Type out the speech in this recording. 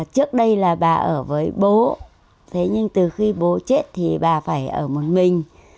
trước đây là bà ở với bố thế nhưng từ khi bố chết thì bà phải ở một mình